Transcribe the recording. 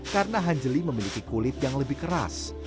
karena anjali memiliki kulit yang lebih keras